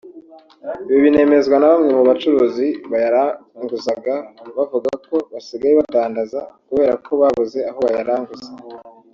Ibi binemezwa na bamwe mu bacuruzi bayaranguzaga bavuga ko basigaye badandaza kubera ko babuze aho bayaranguza